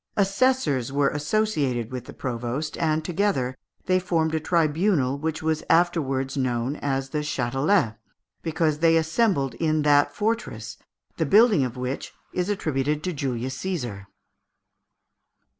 Assessors were associated with the provost, and together they formed a tribunal, which was afterwards known as the Châtelet (Fig. 303), because they assembled in that fortress, the building of which is attributed to Julius Caesar.